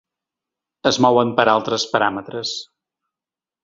Es mouen per altres paràmetres.